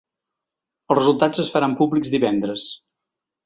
Els resultats es faran públics divendres.